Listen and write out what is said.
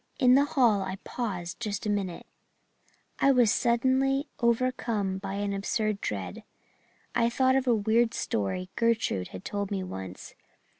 In the hall I paused just a minute I was suddenly overcome by an absurd dread. I thought of a weird story Gertrude had told me once.